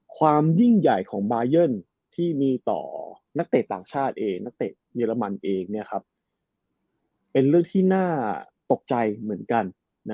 ความยิ่งใหญ่ของบายันที่มีต่อนักเตะต่างชาติเองนักเตะเยอรมันเองเป็นเรื่องที่น่าตกใจเหมือนกัน